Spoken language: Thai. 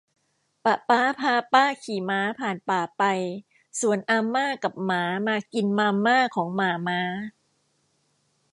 ปะป๊าพาป้าขี่ม้าผ่านป่าไป ส่วนอาม่ากับหมามากินมาม่าของหม่าม้า